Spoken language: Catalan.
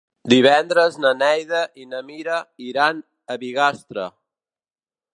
Divendres na Neida i na Mira iran a Bigastre.